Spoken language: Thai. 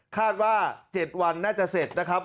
คาดว่า๗วันน่าจะเสร็จนะครับ